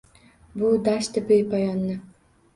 Bu dashti bepoyonni.